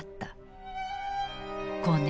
後年